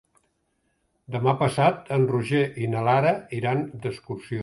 Demà passat en Roger i na Lara iran d'excursió.